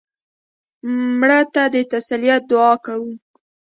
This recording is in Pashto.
مړه ته د تسلیت دعا کوو